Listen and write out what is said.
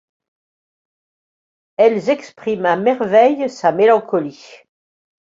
Elles expriment à merveille sa mélancolie.